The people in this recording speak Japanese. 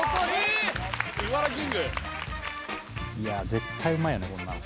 絶対うまいよねこんなの。